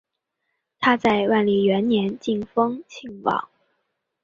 他在万历元年晋封庆王。